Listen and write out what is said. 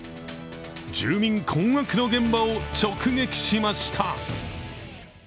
住民困惑の現場を直撃しました。